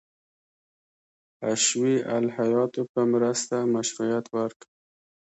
حشوي الهیاتو په مرسته مشروعیت ورکړ.